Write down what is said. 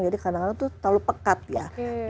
jadi kadang kadang itu terlalu pekat ya